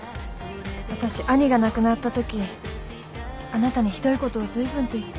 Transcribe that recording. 私兄が亡くなったときあなたにひどいことをずいぶんと言って。